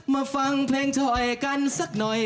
มาฟังเพลงช่อยกันสักหน่อย